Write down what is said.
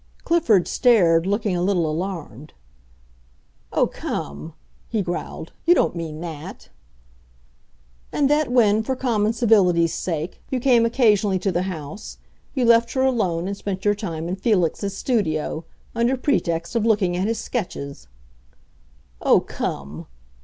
Clifford stared, looking a little alarmed. "Oh, come," he growled, "you don't mean that!" "And that when—for common civility's sake—you came occasionally to the house you left her alone and spent your time in Felix's studio, under pretext of looking at his sketches." "Oh, come!"